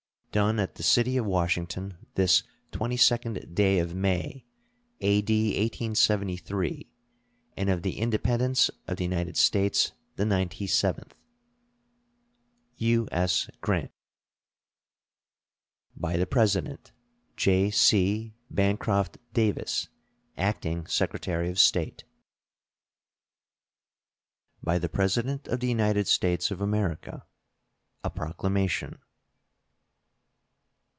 [SEAL.] Done at the city of Washington, this 22d day of May, A.D. 1873, and of the Independence of the United States the ninety seventh. U.S. GRANT. By the President: J.C. BANCROFT DAVIS, Acting Secretary of State. BY THE PRESIDENT OF THE UNITED STATES OF AMERICA. A PROCLAMATION.